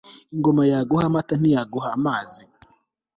ingoma yaguha amata ntiyaguha amazi